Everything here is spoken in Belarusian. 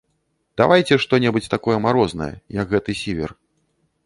Давайце што-небудзь такое марознае, як гэты сівер.